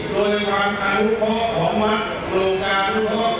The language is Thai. โดยความภรรยาทุกฟ้องหรือของพัฒน์โลการุพระ